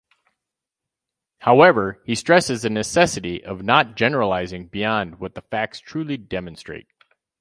However, he stresses the necessity of not generalizing beyond what the facts truly demonstrate.